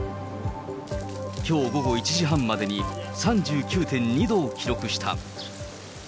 きょう午後１時半までに３９．２度を記録した。